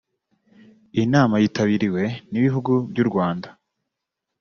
Iyi nama yitabiriwe n’ibihugu by’u Rwanda